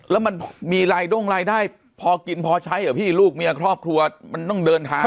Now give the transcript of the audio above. แล้วมันมีรายด้งรายได้พอกินพอใช้เหรอพี่ลูกเมียครอบครัวมันต้องเดินทาง